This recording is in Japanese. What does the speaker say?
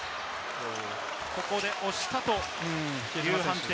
ここで押したという判定。